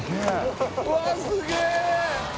うわっすげえ！